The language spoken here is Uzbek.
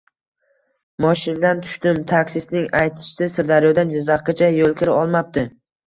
Moshindan tushdim. Taksistning aytishicha, Sirdaryodan Jizzaxgacha yo‘lkira olmabdi.